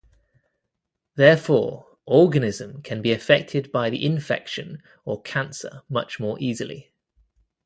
Therefore, organism can be affected by the infection or cancer much more easily.